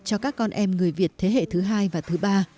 cho các con em người việt thế hệ thứ hai và thứ ba